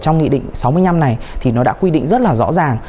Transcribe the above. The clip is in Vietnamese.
trong nghị định sáu mươi năm này thì nó đã quy định rất là rõ ràng